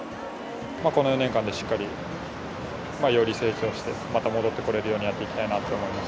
この４年間でしっかりより成長してまた戻ってくれるようにやっていきたいなと思います。